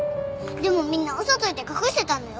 でもみんな嘘ついて隠してたんだよ。